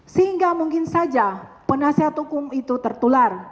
sehingga mungkin saja penasihat hukum itu tertular